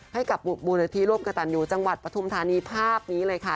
ให้กับมูลนิธิร่วมกระตันอยู่จังหวัดปฐุมธานีภาพนี้เลยค่ะ